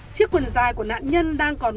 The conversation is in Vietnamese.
chiếc quần dài của nạn nhân đang còn ngủ